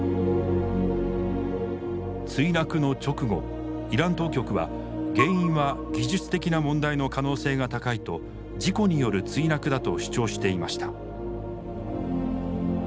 墜落の直後イラン当局は「原因は技術的な問題の可能性が高い」と事故による墜落だと主張していました。